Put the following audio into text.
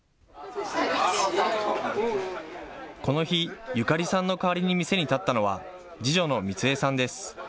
この日、ユカリさんの代わりに店に立ったのは、次女の光恵さんです。